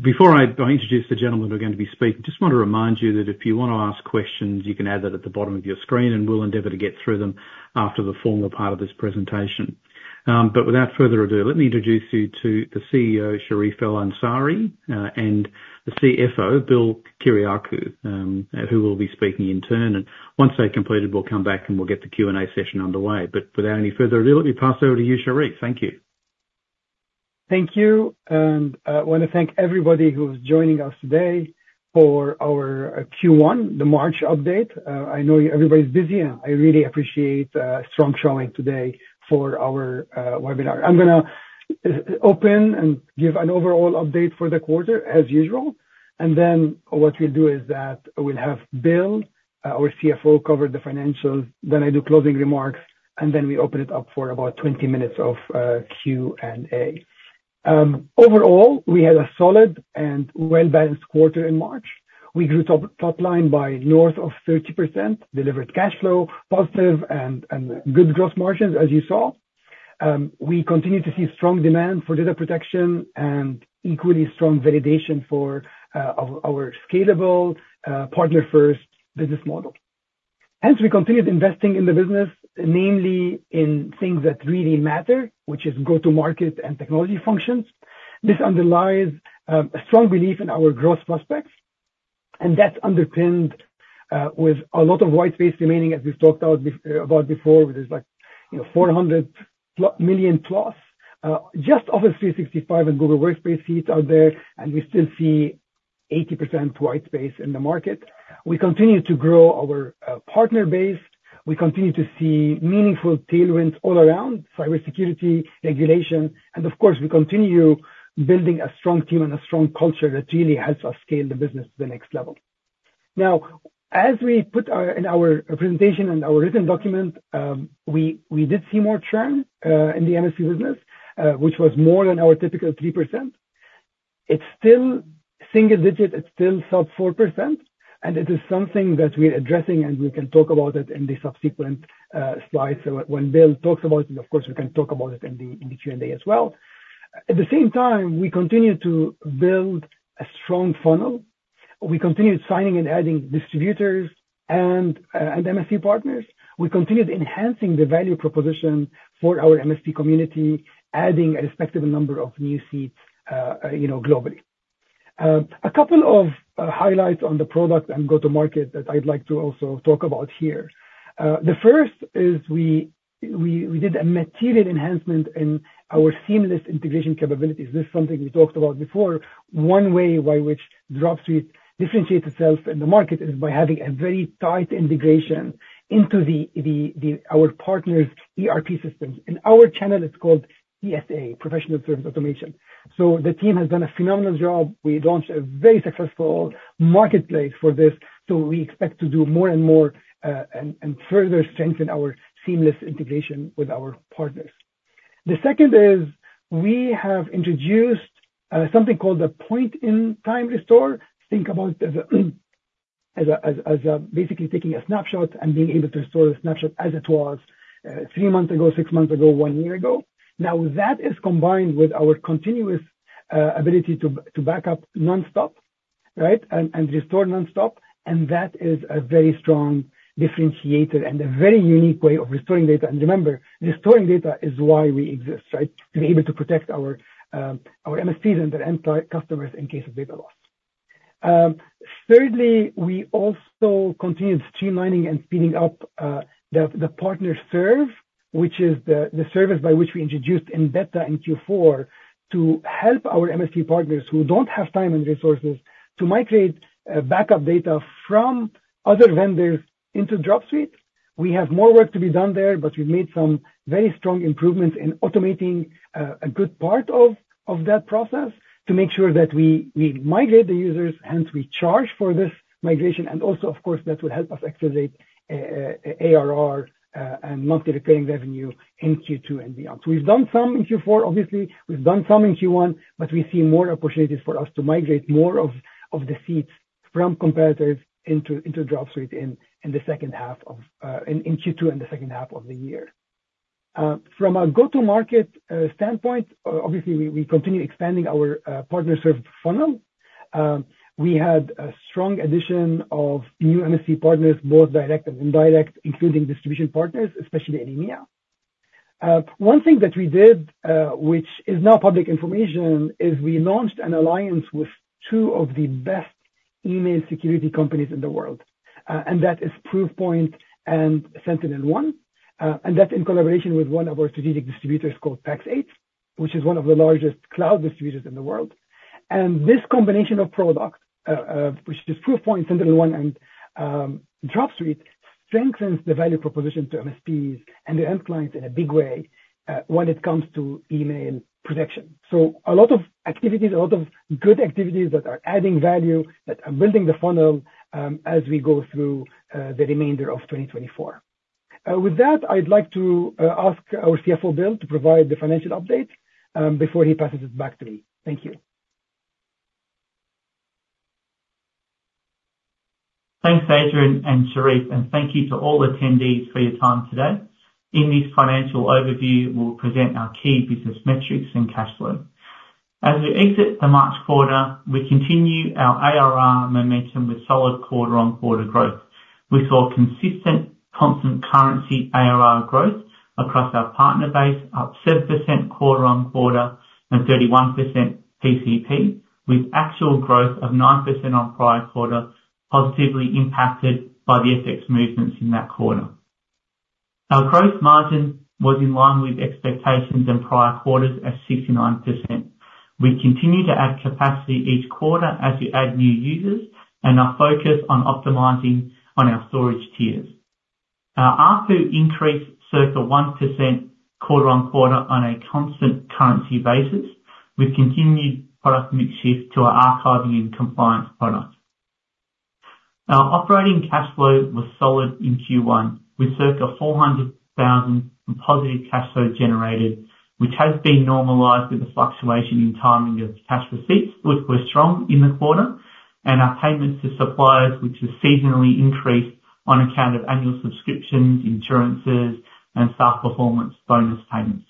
Before I introduce the gentleman who's going to be speaking, I just want to remind you that if you want to ask questions, you can add that at the bottom of your screen and we'll endeavor to get through them after the formal part of this presentation. But without further ado, let me introduce you to the CEO, Charif Elansari, and the CFO, Bill Kyriacou, who will be speaking in turn. Once they've completed, we'll come back and we'll get the Q&A session underway. But without any further ado, let me pass over to you, Charif. Thank you. Thank you. And I want to thank everybody who's joining us today for our Q1, the March update. I know you, everybody's busy, and I really appreciate strong showing today for our webinar. I'm gonna open and give an overall update for the quarter, as usual. And then what we'll do is that we'll have Bill, our CFO, cover the financials, then I do closing remarks, and then we open it up for about 20 minutes of Q&A. Overall, we had a solid and well-balanced quarter in March. We grew top line by north of 30%, delivered cash flow positive, and good gross margins, as you saw. We continue to see strong demand for data protection and equally strong validation for our scalable, partner-first business model. Hence, we continued investing in the business, namely in things that really matter, which is go-to-market and technology functions. This underlies a strong belief in our gross prospects, and that's underpinned with a lot of white space remaining, as we've talked about before, with this, like, you know, 400+ million-plus just Office 365 and Google Workspace seats out there, and we still see 80% white space in the market. We continue to grow our partner base. We continue to see meaningful tailwinds all around: cybersecurity, regulation, and, of course, we continue building a strong team and a strong culture that really helps us scale the business to the next level. Now, as we put our in our presentation and our written document, we did see more churn in the MSP business, which was more than our typical 3%. It's still single-digit. It's still sub-4%, and it is something that we're addressing, and we can talk about it in the subsequent slides. So when Bill talks about it, of course, we can talk about it in the Q&A as well. At the same time, we continue to build a strong funnel. We continued signing and adding distributors and MSP partners. We continued enhancing the value proposition for our MSP community, adding a respectable number of new seats, you know, globally. A couple of highlights on the product and go-to-market that I'd like to also talk about here. The first is we did a material enhancement in our seamless integration capabilities. This is something we talked about before. One way by which Dropsuite differentiates itself in the market is by having a very tight integration into our partners' ERP systems. In our channel, it's called PSA, Professional Services Automation. So the team has done a phenomenal job. We launched a very successful marketplace for this, so we expect to do more and more, and further strengthen our seamless integration with our partners. The second is we have introduced something called the Point-in-Time Restore. Think about it as basically taking a snapshot and being able to restore the snapshot as it was, three months ago, six months ago, one year ago. Now, that is combined with our continuous ability to back up nonstop, right, and restore nonstop, and that is a very strong differentiator and a very unique way of restoring data. And remember, restoring data is why we exist, right, to be able to protect our MSPs and their end customers in case of data loss. Thirdly, we also continued streamlining and speeding up the partner service, which is the service by which we introduced in beta in Q4 to help our MSP partners who don't have time and resources to migrate backup data from other vendors into Dropsuite. We have more work to be done there, but we've made some very strong improvements in automating a good part of that process to make sure that we migrate the users. Hence, we charge for this migration. And also, of course, that will help us accelerate ARR and monthly recurring revenue in Q2 and beyond. So we've done some in Q4, obviously. We've done some in Q1, but we see more opportunities for us to migrate more of the seats from competitors into Dropsuite in Q2 and the second half of the year. From a go-to-market standpoint, obviously, we, we continue expanding our partner-served funnel. We had a strong addition of new MSP partners, both direct and indirect, including distribution partners, especially in EMEA. One thing that we did, which is now public information, is we launched an alliance with two of the best email security companies in the world, and that is Proofpoint and SentinelOne. And that's in collaboration with one of our strategic distributors called Pax8, which is one of the largest cloud distributors in the world. And this combination of products, which is Proofpoint, SentinelOne, and Dropsuite, strengthens the value proposition to MSPs and their end clients in a big way, when it comes to email protection. So a lot of activities, a lot of good activities that are adding value, that are building the funnel, as we go through the remainder of 2024. With that, I'd like to ask our CFO, Bill, to provide the financial update before he passes it back to me. Thank you. Thanks, Adrian and Charif. Thank you to all attendees for your time today. In this financial overview, we'll present our key business metrics and cash flow. As we exit the March quarter, we continue our ARR momentum with solid quarter-on-quarter growth. We saw consistent, constant currency ARR growth across our partner base, up 7% quarter-on-quarter and 31% PCP, with actual growth of 9% on prior quarter positively impacted by the FX movements in that quarter. Our gross margin was in line with expectations in prior quarters at 69%. We continue to add capacity each quarter as we add new users, and our focus on optimizing on our storage tiers. Our ARPU increased circa 1% quarter-on-quarter on a constant currency basis, with continued product mix shift to our Archiving and Compliance product. Our operating cash flow was solid in Q1, with circa 400,000 positive cash flow generated, which has been normalized with the fluctuation in timing of cash receipts, which were strong in the quarter, and our payments to suppliers, which were seasonally increased on account of annual subscriptions, insurances, and staff performance bonus payments.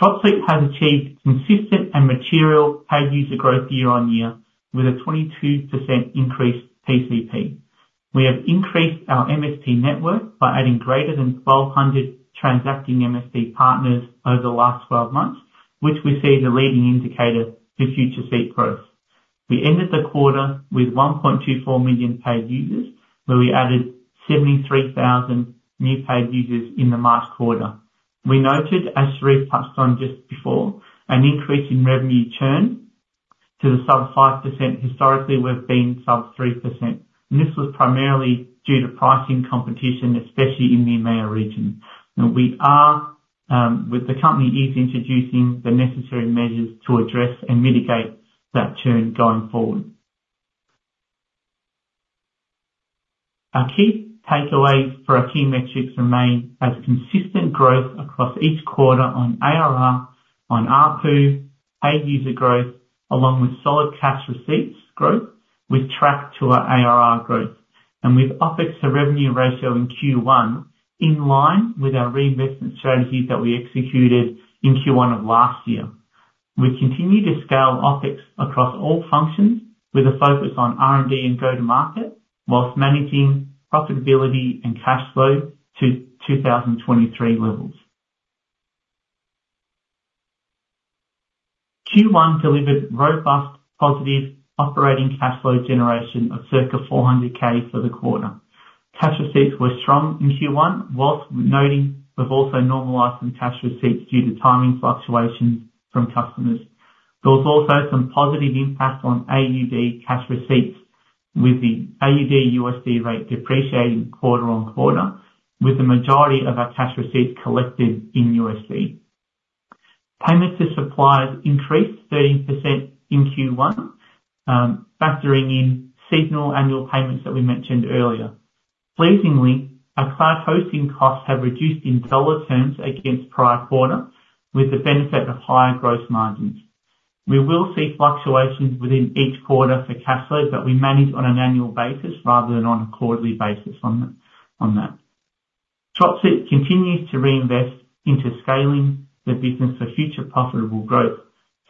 Dropsuite has achieved consistent and material paid user growth year-over-year with a 22% increased PCP. We have increased our MSP network by adding greater than 1,200 transacting MSP partners over the last 12 months, which we see as a leading indicator for future seat growth. We ended the quarter with 1.24 million paid users, where we added 73,000 new paid users in the March quarter. We noted, as Charif touched on just before, an increase in revenue churn to the sub-5%. Historically, we've been sub-3%, and this was primarily due to pricing competition, especially in the EMEA region. And we are, with the company is introducing the necessary measures to address and mitigate that churn going forward. Our key takeaways for our key metrics remain as consistent growth across each quarter on ARR, on ARPU, paid user growth, along with solid cash receipts growth, with track to our ARR growth, and with OpEx to revenue ratio in Q1 in line with our reinvestment strategies that we executed in Q1 of last year. We continue to scale OpEx across all functions with a focus on R&D and go-to-market while managing profitability and cash flow to 2023 levels. Q1 delivered robust positive operating cash flow generation of circa $400,000 for the quarter. Cash receipts were strong in Q1 while noting we've also normalized some cash receipts due to timing fluctuations from customers. There was also some positive impact on AUD cash receipts, with the AUD/USD rate depreciating quarter-on-quarter, with the majority of our cash receipts collected in USD. Payments to suppliers increased 13% in Q1, factoring in seasonal annual payments that we mentioned earlier. Pleasingly, our cloud hosting costs have reduced in dollar terms against prior quarter, with the benefit of higher gross margins. We will see fluctuations within each quarter for cash flow, but we manage on an annual basis rather than on a quarterly basis on that. Dropsuite continues to reinvest into scaling the business for future profitable growth,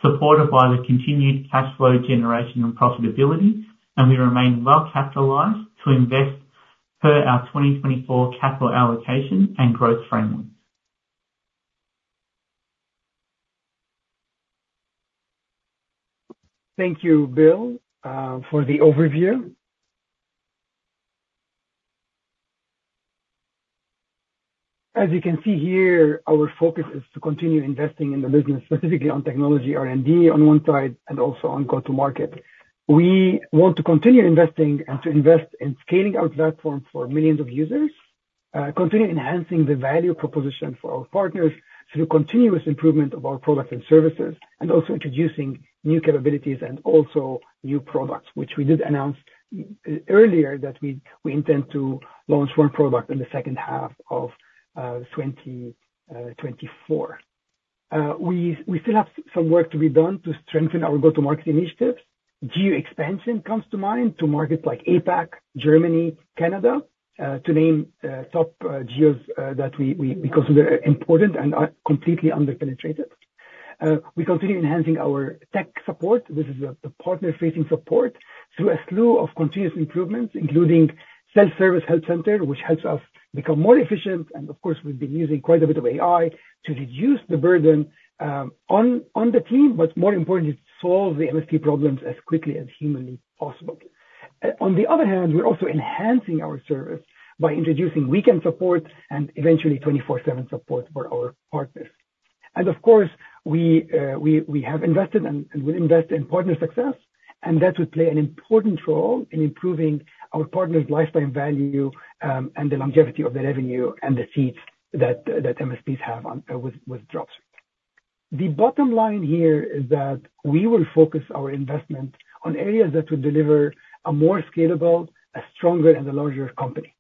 supported by the continued cash flow generation and profitability, and we remain well-capitalized to invest per our 2024 capital allocation and growth framework. Thank you, Bill, for the overview. As you can see here, our focus is to continue investing in the business, specifically on technology R&D on one side and also on go-to-market. We want to continue investing and to invest in scaling our platform for millions of users, continue enhancing the value proposition for our partners through continuous improvement of our products and services, and also introducing new capabilities and also new products, which we did announce earlier that we intend to launch one product in the second half of 2024. We still have some work to be done to strengthen our go-to-market initiatives. Geo expansion comes to mind to markets like APAC, Germany, Canada, to name top geos that we consider important and completely under-penetrated. We continue enhancing our tech support. This is the partner-facing support through a slew of continuous improvements, including self-service help center, which helps us become more efficient. And, of course, we've been using quite a bit of AI to reduce the burden on the team, but more importantly, to solve the MSP problems as quickly as humanly possible. On the other hand, we're also enhancing our service by introducing weekend support and eventually 24/7 support for our partners. And, of course, we have invested and will invest in partner success, and that would play an important role in improving our partners' lifetime value, and the longevity of the revenue and the seats that MSPs have with Dropsuite. The bottom line here is that we will focus our investment on areas that would deliver a more scalable, stronger, and larger company.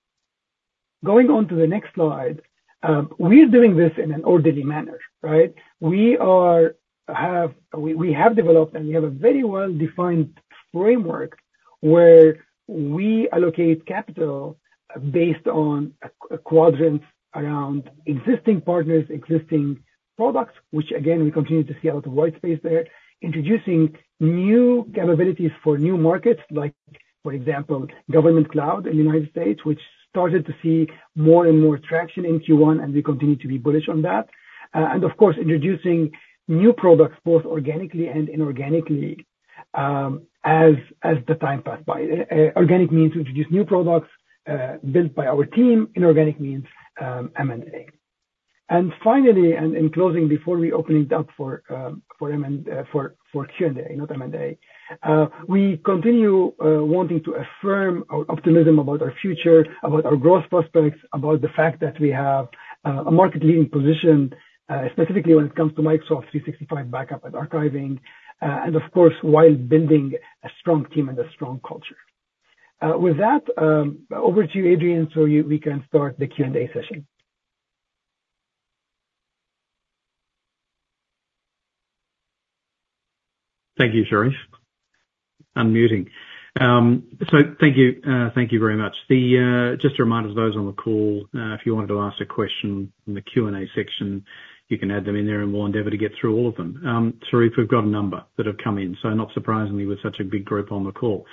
Going on to the next slide, we're doing this in an orderly manner, right? We have developed, and we have a very well-defined framework where we allocate capital, based on a quadrant around existing partners, existing products, which, again, we continue to see a lot of white space there, introducing new capabilities for new markets like, for example, government cloud in the United States, which started to see more and more traction in Q1, and we continue to be bullish on that, and, of course, introducing new products both organically and inorganically, as the time passed by. Organic means we introduce new products, built by our team. Inorganic means, M&A. And finally, in closing before reopening it up for Q&A, we continue wanting to affirm our optimism about our future, about our growth prospects, about the fact that we have a market-leading position, specifically when it comes to Microsoft 365 backup and archiving, and, of course, while building a strong team and a strong culture. With that, over to you, Adrian, so we can start the Q&A session. Thank you, Charif. Unmuting. So thank you, thank you very much. Just a reminder to those on the call, if you wanted to ask a question in the Q&A section, you can add them in there, and we'll endeavor to get through all of them. Charif, we've got a number that have come in, so not surprisingly with such a big group on the call.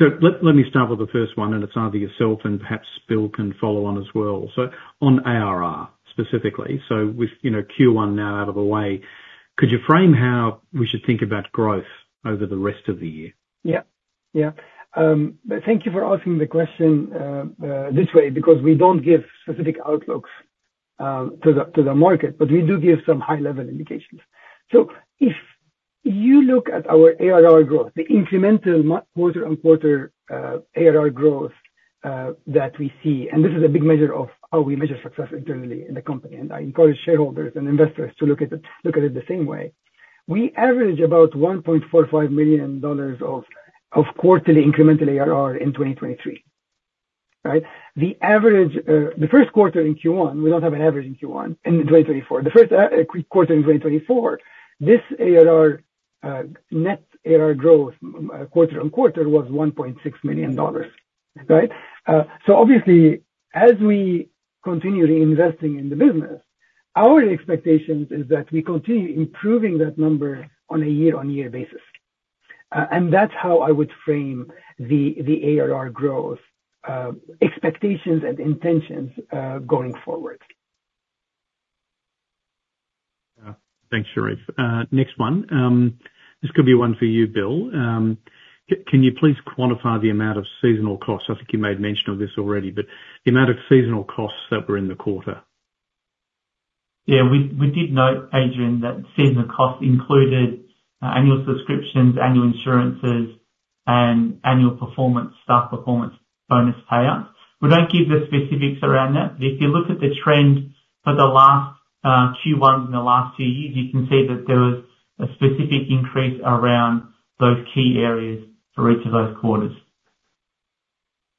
So let me start with the first one, and it's either yourself, and perhaps Bill can follow on as well. So on ARR specifically, so with, you know, Q1 now out of the way, could you frame how we should think about growth over the rest of the year? Yeah. Yeah. Thank you for asking the question this way because we don't give specific outlooks to the market, but we do give some high-level indications. So if you look at our ARR growth, the incremental quarter-over-quarter ARR growth that we see—and this is a big measure of how we measure success internally in the company, and I encourage shareholders and investors to look at it the same way—we average about $1.45 million of quarterly incremental ARR in 2023, right? The first quarter in Q1 2024—this ARR net ARR growth quarter-over-quarter was $1.6 million, right? So obviously, as we continue reinvesting in the business, our expectations is that we continue improving that number on a year-over-year basis. and that's how I would frame the ARR growth, expectations and intentions, going forward. Yeah. Thanks, Charif. Next one. This could be one for you, Bill. Can you please quantify the amount of seasonal costs? I think you made mention of this already, but the amount of seasonal costs that were in the quarter. Yeah. We, we did note, Adrian, that seasonal costs included annual subscriptions, annual insurances, and annual performance staff performance bonus payouts. We don't give the specifics around that, but if you look at the trend for the last Q1s in the last few years, you can see that there was a specific increase around those key areas for each of those quarters.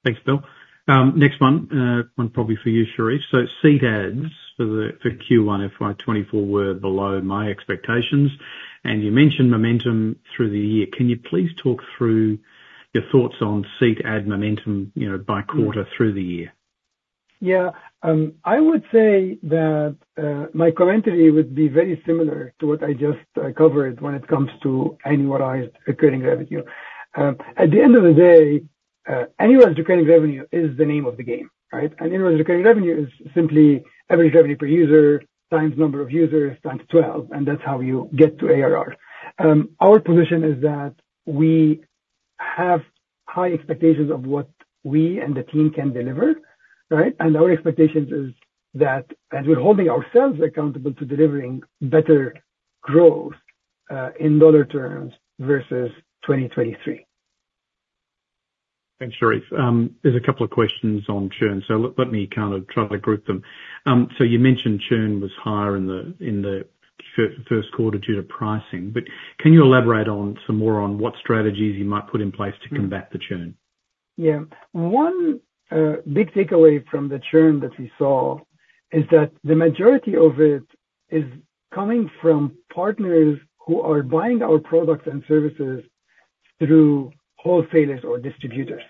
Thanks, Bill. Next one, one probably for you, Charif. So seat adds for Q1 FY 2024 were below my expectations, and you mentioned momentum through the year. Can you please talk through your thoughts on seat add momentum, you know, by quarter through the year? Yeah. I would say that, my commentary would be very similar to what I just covered when it comes to annualized recurring revenue. At the end of the day, annualized recurring revenue is the name of the game, right? And annualized recurring revenue is simply average revenue per user times number of users times 12, and that's how you get to ARR. Our position is that we have high expectations of what we and the team can deliver, right? And our expectations is that, as we're holding ourselves accountable to delivering better growth, in dollar terms versus 2023. Thanks, Charif. There's a couple of questions on churn, so let me kind of try to group them. So you mentioned churn was higher in the first quarter due to pricing, but can you elaborate some more on what strategies you might put in place to combat the churn? Yeah. One big takeaway from the churn that we saw is that the majority of it is coming from partners who are buying our products and services through wholesalers or distributors.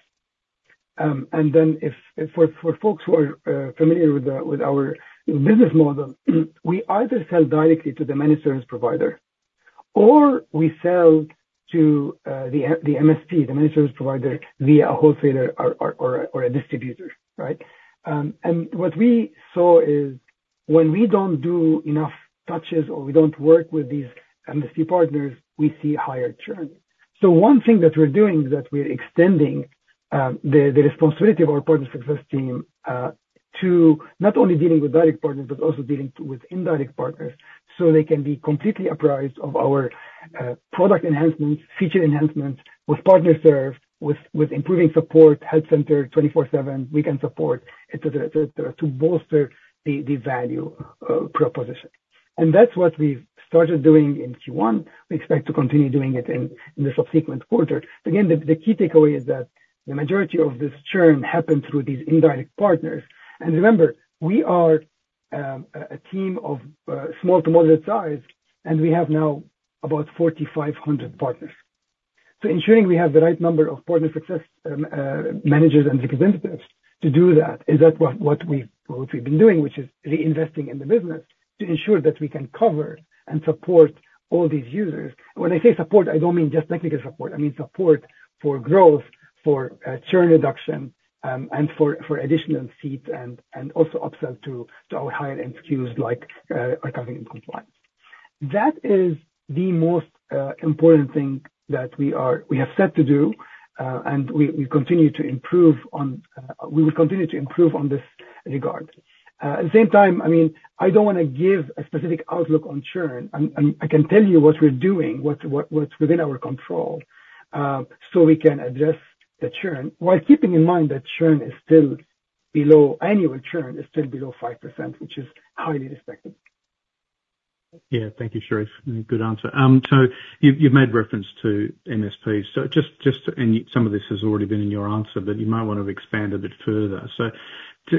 And then, if for folks who are familiar with our business model, we either sell directly to the managed service provider or we sell to the MSP, the managed service provider, via a wholesaler or a distributor, right? And what we saw is when we don't do enough touches or we don't work with these MSP partners, we see higher churn. So one thing that we're doing is that we're extending the responsibility of our partner success team to not only dealing with direct partners but also dealing with indirect partners so they can be completely apprised of our product enhancements, feature enhancements with partner serve, with improving support, help center 24/7, weekend support, etc., etc., etc., to bolster the value proposition. And that's what we've started doing in Q1. We expect to continue doing it in the subsequent quarter. Again, the key takeaway is that the majority of this churn happened through these indirect partners. And remember, we are a team of small to moderate size, and we have now about 4,500 partners. So ensuring we have the right number of partner success managers and representatives to do that is what we've been doing, which is reinvesting in the business to ensure that we can cover and support all these users. And when I say support, I don't mean just technical support. I mean support for growth, for churn reduction, and for additional seats and also upsell to our higher-end SKUs like Archiving and Compliance. That is the most important thing that we have set to do, and we continue to improve on; we will continue to improve on this regard. At the same time, I mean, I don't want to give a specific outlook on churn. I can tell you what we're doing, what's within our control, so we can address the churn while keeping in mind that annual churn is still below 5%, which is highly respected. Yeah. Thank you, Charif. Good answer. So you've made reference to MSPs. So just and you some of this has already been in your answer, but you might want to expand a bit further. So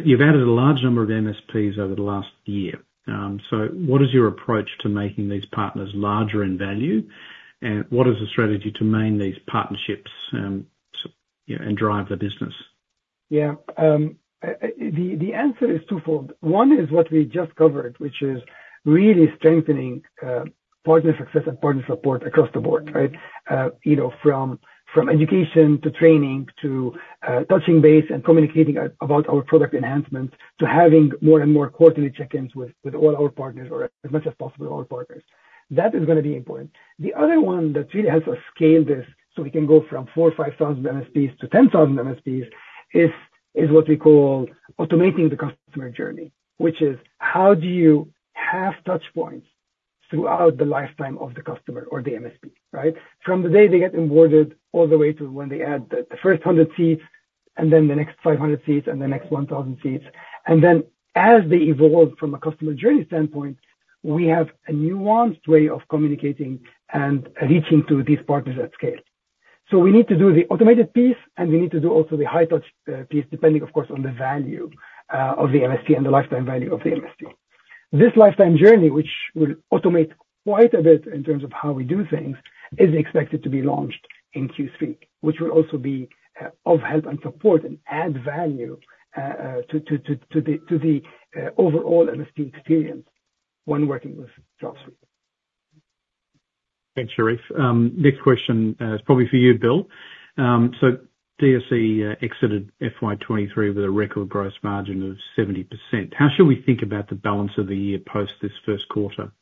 you've added a large number of MSPs over the last year. So what is your approach to making these partners larger in value, and what is the strategy to maintain these partnerships, so you know, and drive the business? Yeah. The answer is twofold. One is what we just covered, which is really strengthening partner success and partner support across the board, right? You know, from education to training to touching base and communicating about our product enhancements to having more and more quarterly check-ins with all our partners or as much as possible with all our partners. That is going to be important. The other one that really helps us scale this so we can go from 4,000, 5,000 MSPs to 10,000 MSPs is what we call automating the customer journey, which is how do you have touchpoints throughout the lifetime of the customer or the MSP, right? From the day they get onboarded all the way to when they add the first 100 seats and then the next 500 seats and the next 1,000 seats. And then as they evolve from a customer journey standpoint, we have a nuanced way of communicating and reaching to these partners at scale. So we need to do the automated piece, and we need to do also the high-touch piece depending, of course, on the value of the MSP and the lifetime value of the MSP. This lifetime journey, which will automate quite a bit in terms of how we do things, is expected to be launched in Q3, which will also be of help and support and add value to the overall MSP experience when working with Dropsuite. Thanks, Charif. Next question is probably for you, Bill. DSE exited FY23 with a record gross margin of 70%. How should we think about the balance of the year post this first quarter?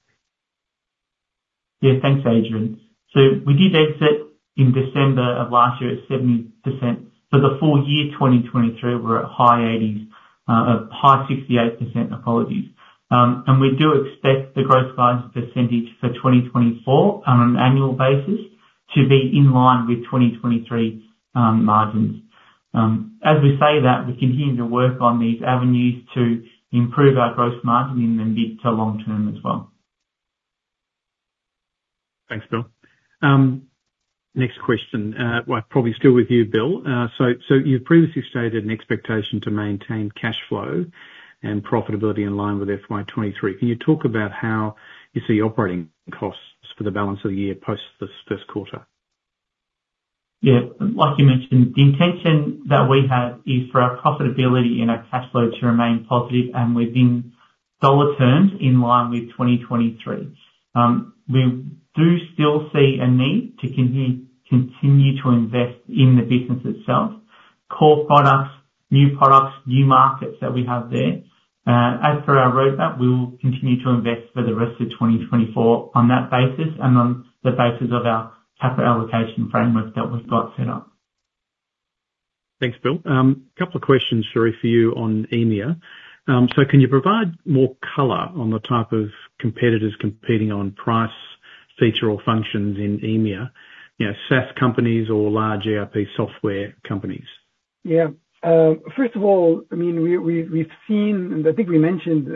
Yeah. Thanks, Adrian. So we did exit in December of last year at 70%. For the full year 2023, we're at high 80s, high 68%, apologies. And we do expect the gross margin percentage for 2024 on an annual basis to be in line with 2023 margins. As we say that, we continue to work on these avenues to improve our gross margin in the mid to long term as well. Thanks, Bill. Next question. Well, I'm probably still with you, Bill. So, so you've previously stated an expectation to maintain cash flow and profitability in line with FY23. Can you talk about how you see operating costs for the balance of the year post this first quarter? Yeah. Like you mentioned, the intention that we have is for our profitability and our cash flow to remain positive and within dollar terms in line with 2023. We do still see a need to continue to invest in the business itself, core products, new products, new markets that we have there. As per our roadmap, we will continue to invest for the rest of 2024 on that basis and on the basis of our capital allocation framework that we've got set up. Thanks, Bill. Couple of questions, Charif, for you on EMEA. So can you provide more color on the type of competitors competing on price, feature, or functions in EMEA, you know, SaaS companies or large ERP software companies? Yeah. First of all, I mean, we've seen and I think we mentioned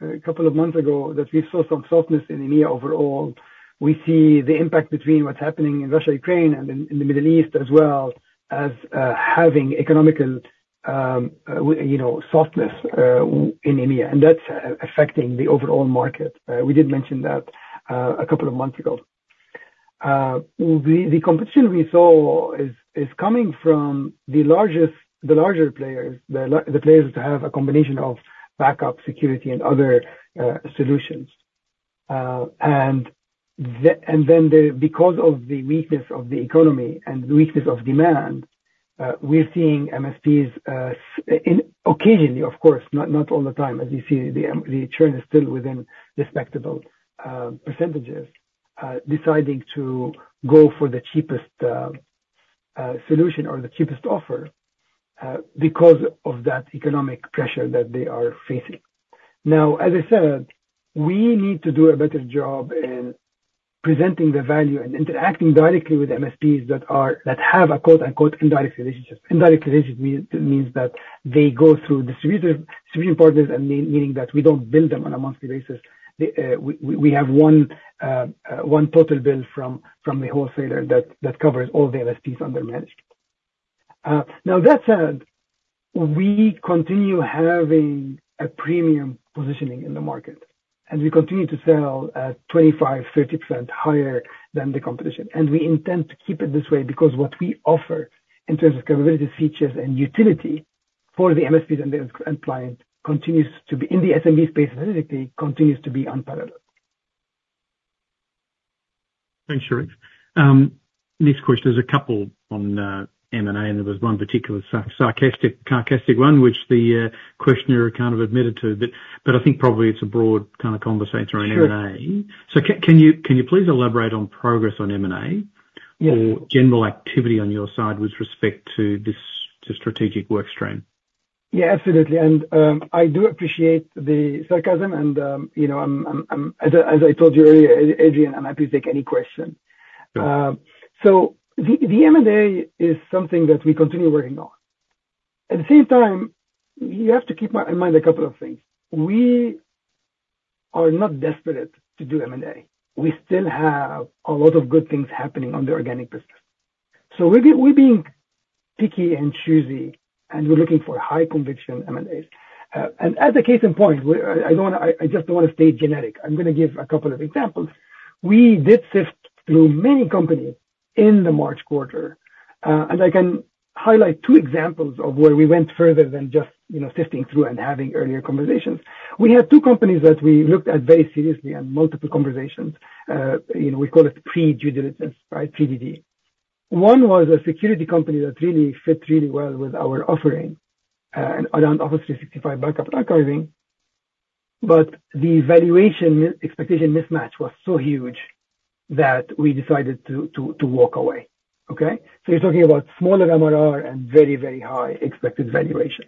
a couple of months ago that we saw some softness in EMEA overall. We see the impact between what's happening in Russia, Ukraine, and in the Middle East as well as having economic, well you know, softness well in EMEA, and that's affecting the overall market. We did mention that a couple of months ago. Well, the competition we saw is coming from the largest, the larger players, the like the players that have a combination of backup security and other solutions. Because of the weakness of the economy and the weakness of demand, we're seeing MSPs sometimes, occasionally, of course, not all the time, as you see, the churn is still within respectable percentages, deciding to go for the cheapest solution or the cheapest offer, because of that economic pressure that they are facing. Now, as I said, we need to do a better job in presenting the value and interacting directly with MSPs that have a quote-unquote "indirect relationship." Indirect relationship means that they go through distributors distributing partners, and meaning that we don't bill them on a monthly basis. We have one total bill from the wholesaler that covers all the MSPs under management. Now, that said, we continue having a premium positioning in the market, and we continue to sell 25%-30% higher than the competition. We intend to keep it this way because what we offer in terms of capabilities, features, and utility for the MSPs and the end client continues to be, in the SMB space specifically, unparalleled. Thanks, Charif. Next question. There's a couple on M&A, and there was one particular sarcastic one, which the questionnaire kind of admitted to. But I think probably it's a broad kind of conversation around M&A. So can you please elaborate on progress on M&A? Yes. Or general activity on your side with respect to this strategic workstream? Yeah. Absolutely. And I do appreciate the sarcasm and, you know, I'm as I told you earlier, Adrian, I'm happy to take any question. Sure. So the M&A is something that we continue working on. At the same time, you have to keep in mind a couple of things. We are not desperate to do M&A. We still have a lot of good things happening on the organic business. So we're being picky and choosy, and we're looking for high-conviction M&As. And as a case in point, I don't want to. I just don't want to stay generic. I'm going to give a couple of examples. We did sift through many companies in the March quarter. And I can highlight two examples of where we went further than just, you know, sifting through and having earlier conversations. We had two companies that we looked at very seriously and multiple conversations. You know, we call it pre-due diligence, right, PDD. One was a security company that really fit really well with our offering, and around Office 365 backup and archiving, but the valuation expectation mismatch was so huge that we decided to walk away, okay? So you're talking about smaller MRR and very, very high expected valuation.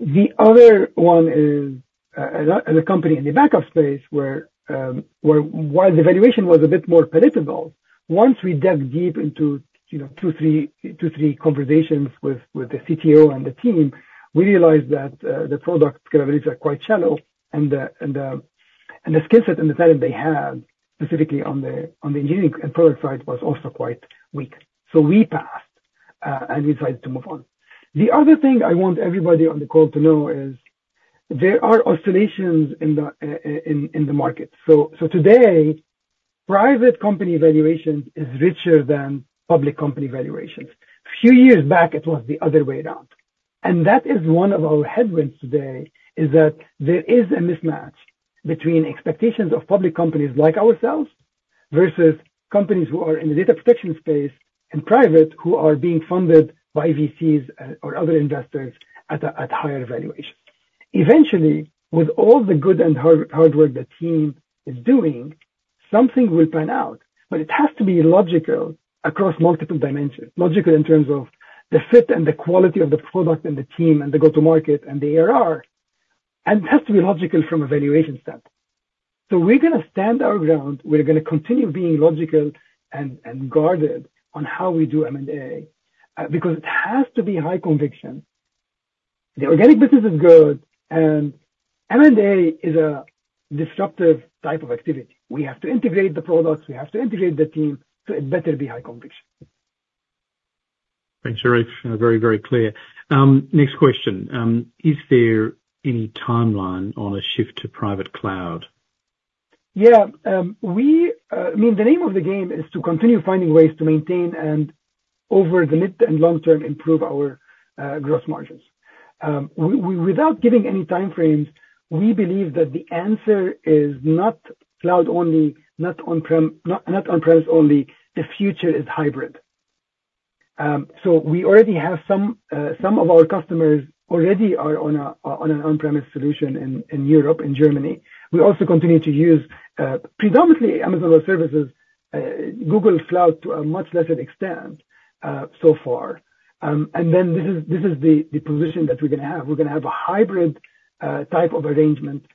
The other one is a company in the backup space where while the valuation was a bit more palatable, once we dug deep into, you know, 2 or 3 conversations with the CTO and the team, we realized that the product capabilities are quite shallow, and the skill set and the talent they had specifically on the engineering and product side was also quite weak. So we passed, and we decided to move on. The other thing I want everybody on the call to know is there are oscillations in the market. So today, private company valuation is richer than public company valuations. A few years back, it was the other way around. And that is one of our headwinds today, is that there is a mismatch between expectations of public companies like ourselves versus companies who are in the data protection space and private who are being funded by VCs, or other investors at a higher valuations. Eventually, with all the good and hard work the team is doing, something will pan out. But it has to be logical across multiple dimensions, logical in terms of the fit and the quality of the product and the team and the go-to-market and the ARR, and it has to be logical from a valuation standpoint. So we're going to stand our ground. We're going to continue being logical and guarded on how we do M&A, because it has to be high conviction. The organic business is good, and M&A is a disruptive type of activity. We have to integrate the products. We have to integrate the team to it better be high conviction. Thanks, Charif. You're very, very clear. Next question. Is there any timeline on a shift to private cloud? Yeah. I mean, the name of the game is to continue finding ways to maintain and over the mid and long term improve our gross margins. We, without giving any time frames, believe that the answer is not cloud-only, not on-prem, not on-premise-only. The future is hybrid. So we already have some of our customers are on an on-premise solution in Europe, in Germany. We also continue to use, predominantly Amazon Web Services, Google Cloud to a much lesser extent, so far. And then this is the position that we're going to have. We're going to have a hybrid type of arrangement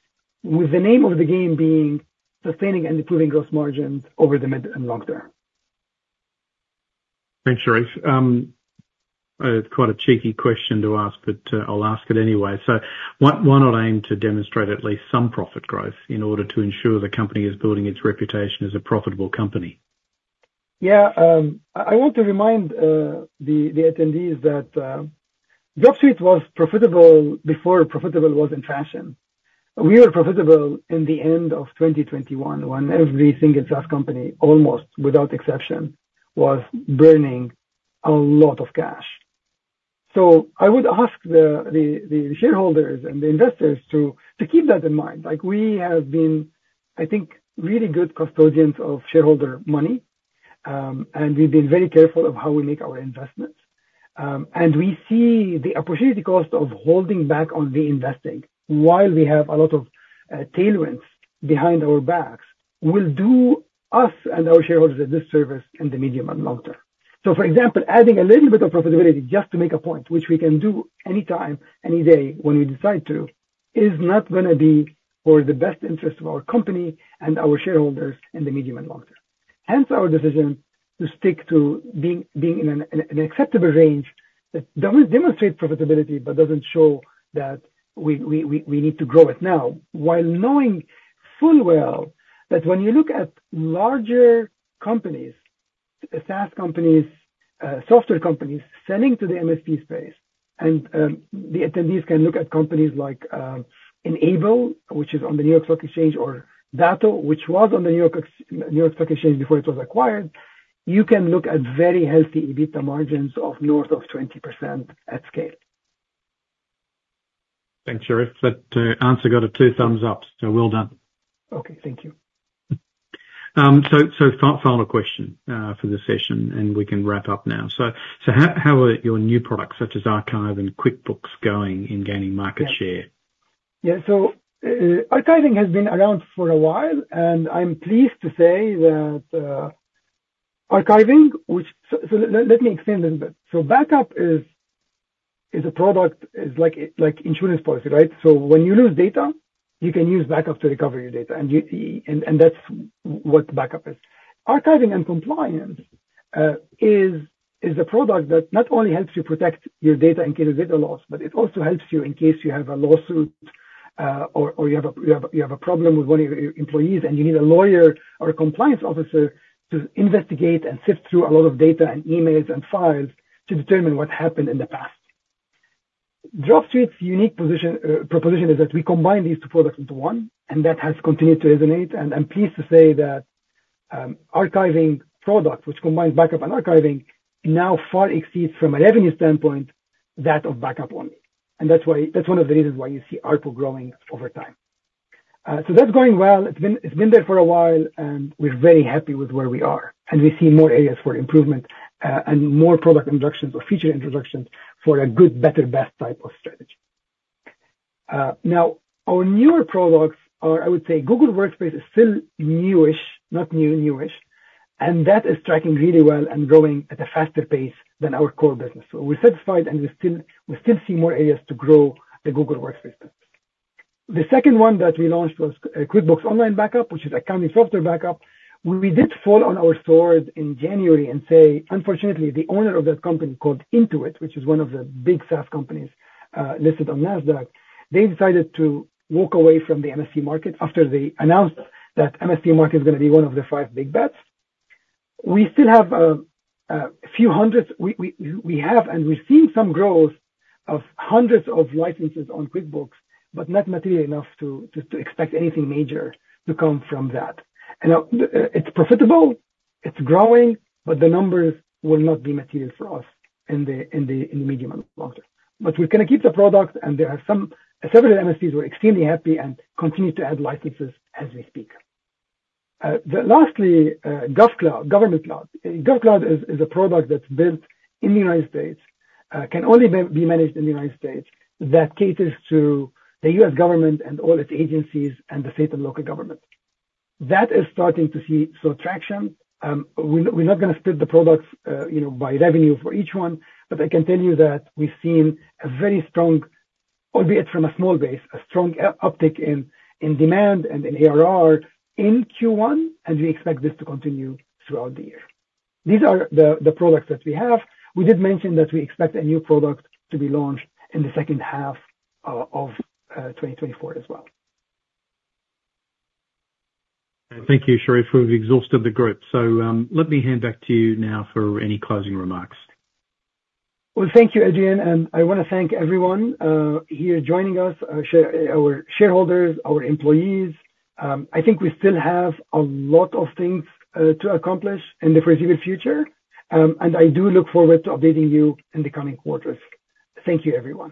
with the name of the game being sustaining and improving gross margins over the mid and long term. Thanks, Charif. It's quite a cheeky question to ask, but I'll ask it anyway. So why why not aim to demonstrate at least some profit growth in order to ensure the company is building its reputation as a profitable company? Yeah. I want to remind the attendees that Dropsuite was profitable before profitable was in fashion. We were profitable in the end of 2021 when every single SaaS company, almost without exception, was burning a lot of cash. So I would ask the shareholders and the investors to keep that in mind. Like, we have been, I think, really good custodians of shareholder money, and we've been very careful of how we make our investments. And we see the opportunity cost of holding back on reinvesting while we have a lot of tailwinds behind our backs will do us and our shareholders a disservice in the medium and long term. So, for example, adding a little bit of profitability just to make a point, which we can do anytime, any day when we decide to, is not going to be for the best interest of our company and our shareholders in the medium and long term. Hence our decision to stick to being in an acceptable range that doesn't demonstrate profitability but doesn't show that we need to grow it now while knowing full well that when you look at larger companies, SaaS companies, software companies selling to the MSP space, and the attendees can look at companies like N-able, which is on the New York Stock Exchange, or Datto, which was on the New York Stock Exchange before it was acquired, you can look at very healthy BITDA margins of north of 20% at scale. Thanks, Charif. That answer got two thumbs up. So well done. Okay. Thank you. Final question for this session, and we can wrap up now. So, how are your new products such as Archive and QuickBooks going in gaining market share? Yeah. Yeah. So, Archiving has been around for a while, and I'm pleased to say that Archiving, so let me explain a little bit. So backup is a product like an insurance policy, right? So when you lose data, you can use backup to recover your data, and that's what backup is. Archiving and Compliance is a product that not only helps you protect your data in case of data loss, but it also helps you in case you have a lawsuit, or you have a problem with one of your employees, and you need a lawyer or a compliance officer to investigate and sift through a lot of data and emails and files to determine what happened in the past. Dropsuite's unique position, proposition is that we combine these two products into one, and that has continued to resonate. I'm pleased to say that archiving product, which combines backup and archiving, now far exceeds from a revenue standpoint that of backup only. That's why that's one of the reasons why you see ARPU growing over time. So that's going well. It's been there for a while, and we're very happy with where we are. We see more areas for improvement, and more product introductions or feature introductions for a good, better, best type of strategy. Now, our newer products are I would say Google Workspace is still newish, not new-newish, and that is tracking really well and growing at a faster pace than our core business. So we're satisfied, and we still see more areas to grow the Google Workspace business. The second one that we launched was QuickBooks Online Backup, which is accounting software backup. We did fall on our sword in January and say, unfortunately, the owner of that company called Intuit, which is one of the big SaaS companies, listed on NASDAQ, they decided to walk away from the MSP market after they announced that MSP market's going to be one of the five big bets. We still have a few hundreds we have, and we're seeing some growth of hundreds of licenses on QuickBooks, but not material enough to expect anything major to come from that. And now, it's profitable. It's growing, but the numbers will not be material for us in the medium and long term. But we're going to keep the product, and there have some several MSPs were extremely happy and continue to add licenses as we speak. Lastly, GovCloud, Government Cloud. GovCloud is a product that's built in the United States, can only be managed in the United States that caters to the U.S. government and all its agencies and the state and local government. That is starting to see some traction. We're not going to split the products, you know, by revenue for each one, but I can tell you that we've seen a very strong, albeit from a small base, a strong uptick in demand and in ARR in Q1, and we expect this to continue throughout the year. These are the products that we have. We did mention that we expect a new product to be launched in the second half of 2024 as well. Thank you, Charif, for exhausting the group. Let me hand back to you now for any closing remarks. Well, thank you, Adrian. I want to thank everyone here joining us, our shareholders, our employees. I think we still have a lot of things to accomplish in the foreseeable future, and I do look forward to updating you in the coming quarters. Thank you, everyone.